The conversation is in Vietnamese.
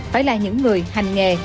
phải là những người hành nghề